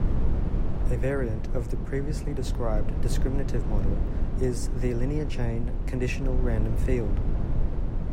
A variant of the previously described discriminative model is the linear-chain conditional random field.